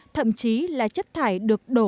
thậm chí là chất thải được đổ